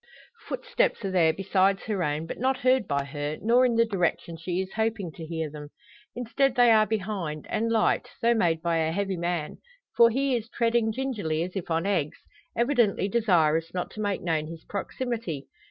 Footsteps are there besides her own, but not heard by her, nor in the direction she is hoping to hear them. Instead, they are behind, and light, though made by a heavy man. For he is treading gingerly as if on eggs evidently desirous not to make known his proximity.